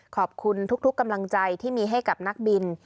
ขอบคุณทุกกำลังใจที่มีให้กับนักบิน